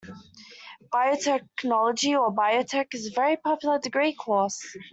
Biotechnology, or Biotech, is a very popular degree choice